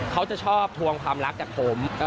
เขาจะชอบทวงความรักจากผม